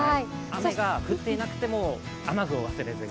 雨が降っていなくても雨具を忘れずに。